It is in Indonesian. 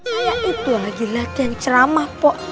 saya itu lagi latihan ceramah pok